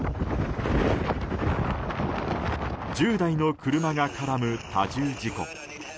１０台の車が絡む多重事故。